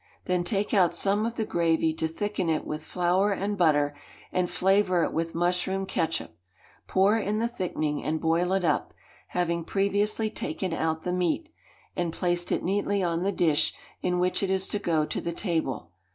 Then take out some of the gravy to thicken it with flour and butter, and flavour it with mushroom ketchup. Pour in the thickening and boil it up, having previously taken out the meat, and placed it neatly on the dish in which it is to go to the table.